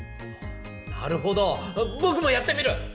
なるほどぼくもやってみる！